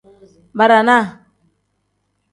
Barana.